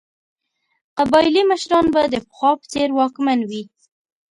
قبایلي مشران به د پخوا په څېر واکمن وي.